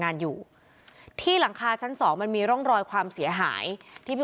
งานอยู่ที่หลังคาชั้นสองมันมีร่องรอยความเสียหายที่มี